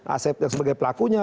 asep yang sebagai pelakunya